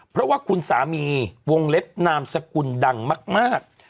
เพราะว่าคุณสามีวงเล็บนามสกุลดังมาก